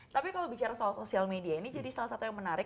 tapi kalau bicara soal sosial media ini jadi salah satu yang menarik